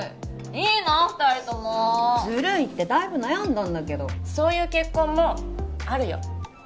いいなあ二人ともずるいってだいぶ悩んだんだけどそういう結婚もあるよ